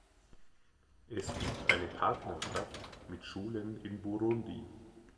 Es gibt eine Partnerschaft mit Schulen in Burundi.